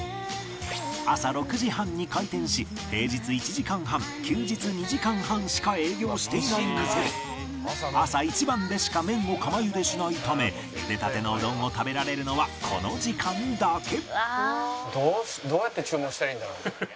朝６時半に開店し平日１時間半休日２時間半しか営業していない店で朝一番でしか麺を釜茹でしないため茹でたてのうどんを食べられるのはこの時間だけ